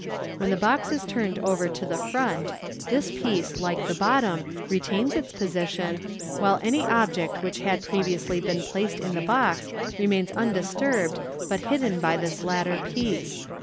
When the box is turned over to the front, this piece, like the bottom, retains its position, while any object which had previously been placed in the box remains undis turbed, but hidden by this latter piece.